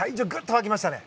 沸きましたね。